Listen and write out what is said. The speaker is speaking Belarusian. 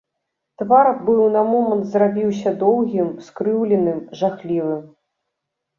Твар быў на момант зрабіўся доўгім, скрыўленым, жахлівым.